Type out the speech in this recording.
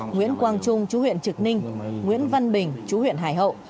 nguyễn quang trung chú huyện trực ninh nguyễn văn bình chú huyện hải hậu